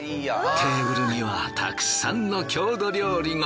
テーブルにはたくさんの郷土料理が。